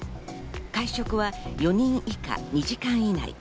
会食は４人以下、２時間以内。